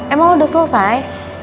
emang lo udah selesai